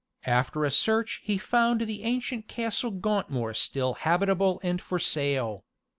After a search he found the ancient Castle Gauntmoor still habitable and for sale.